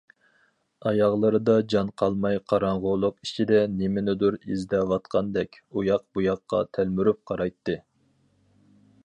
ئاياغلىرىدا جان قالماي قاراڭغۇلۇق ئىچىدە نېمىنىدۇر ئىزدەۋاتقاندەك ئۇياق- بۇياققا تەلمۈرۈپ قارايتتى.